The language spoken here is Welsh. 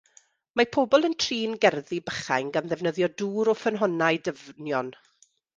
Mae pobl yn trin gerddi bychain gan ddefnyddio dŵr o ffynhonnau dyfnion.